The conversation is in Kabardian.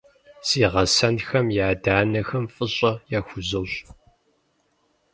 Си гъэсэнхэм я адэ-анэхэм фӀыщӀэ яхузощӀ.